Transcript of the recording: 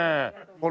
これ。